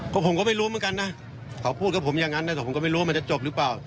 ก็ผมก็ไม่รู้เหมือนกันนะเขาพูดกับผมอย่างนั้นนะแต่ผมก็ไม่รู้ว่ามันจะจบหรือเปล่า